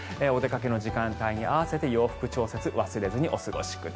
お出かけの時間帯に合わせ洋服調節を忘れずに。